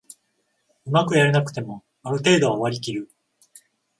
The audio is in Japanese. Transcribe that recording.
うまくやれなくてもある程度は割りきる